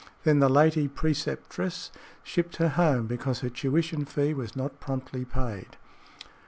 Then the lady preceptress shipped her home because her tuition fee was not promptly paid.